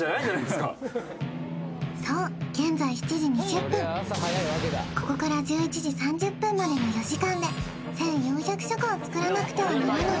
そう現在７時２０分ここから１１時３０分までの４時間で１４００食を作らなくてはならない